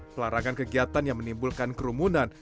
pelarangan kegiatan yang menimbulkan kerumunan